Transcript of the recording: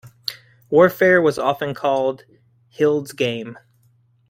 Warfare was often called Hild's Game.